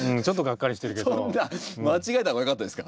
間違えた方がよかったですか？